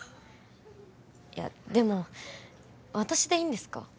いやでも私でいいんですか？